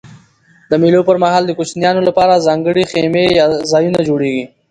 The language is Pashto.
د مېلو پر مهال د کوچنيانو له پاره ځانګړي خیمې یا ځایونه جوړېږي.